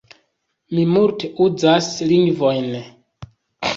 Mi multe uzas lingvojn.